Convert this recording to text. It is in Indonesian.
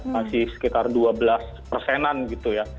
masih sekitar dua belas persenan gitu ya